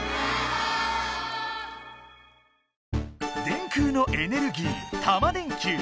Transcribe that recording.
電空のエネルギー「タマ電Ｑ」。